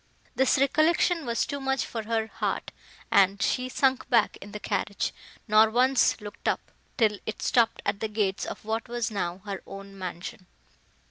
This recollection was too much for her heart, and she sunk back in the carriage, nor once looked up, till it stopped at the gates of what was now her own mansion.